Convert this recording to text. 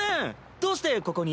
どうしてここに？